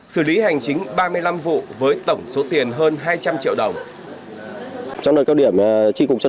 xử lý hành chính ba mươi năm vụ với tổng số tiền hơn hai trăm linh triệu đồng